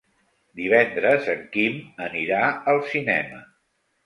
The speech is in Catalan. Divendres en Quim anirà al cinema.